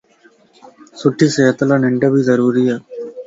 سٺي صحت لا ننڊ بي ضروري ا